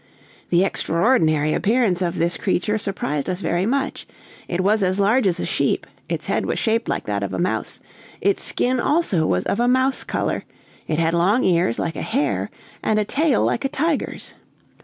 The extraordinary appearance of this creature surprised us very much. It was as large as a sheep, its head was shaped like that of a mouse; its skin also was of a mouse color, it had long ears like a hare, and a tail like a tiger's.